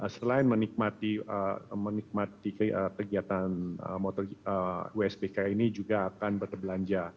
selain menikmati kegiatan usbk ini juga akan berbelanja